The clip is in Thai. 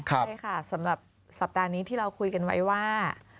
ใช่ค่ะสำหรับสัปดาห์นี้ที่เราคุยกันไว้ว่า